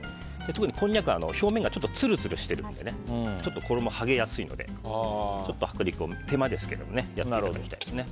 特にこんにゃくは表面がちょっと、つるつるしているので衣が剥げやすいので手間ですが薄力粉をやっていただきたいですね。